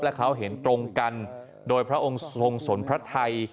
และเขาเห็นตรงกันโดยพระองค์ทรงสนพระไทย